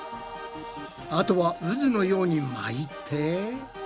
あとはうずのように巻いて。